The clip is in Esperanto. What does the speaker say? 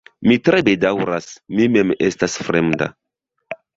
Mi tre bedaŭras, mi mem estas fremda.